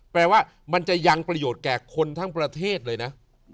แปลว่ามันจะยังประโยชน์แก่คนทั้งประเทศเลยนะ